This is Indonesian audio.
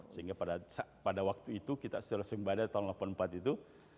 sehingga pada waktu itu kita secara sembada tahun seribu sembilan ratus delapan puluh empat itu